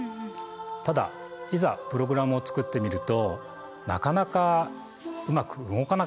ただいざプログラムを作ってみるとなかなかうまく動かなかったですよね。